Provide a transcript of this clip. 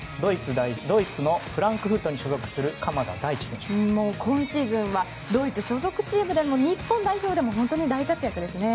ドイツのフランクフルトに所属する今シーズンはドイツ所属チームでも日本代表でも大活躍ですね。